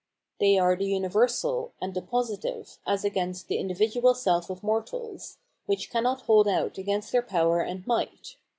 They are the uni versal, and the positive, as against the individual self of mortals, which cannot hold out against their power and might.